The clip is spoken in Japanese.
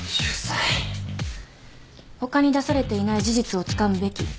他に出されていない事実をつかむべき。